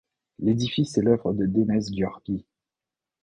L'édifice est l'œuvre de Dénes Györgyi.